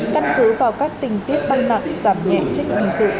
căn cứ vào các tình tiết băng nặng giảm nhẹ trích hình sự